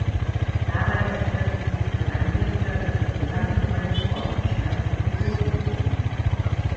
Dabei erstreckte sich der Rheingletscher über die gesamte heutige Ostschweiz und den Bodensee hinweg.